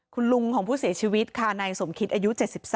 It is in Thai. คุณลุงของผู้เสียชีวิตค่ะนายสมคิตอายุ๗๓